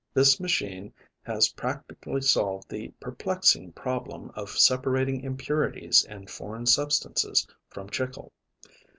This machine has practically solved the perplexing problem of separating impurities and foreign substances from chicle.